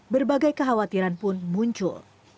berbagai kekhawatiran pun muncul